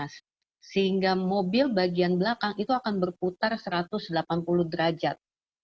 sehingga mobil bagian belakang itu akan berputar satu ratus delapan puluh derajat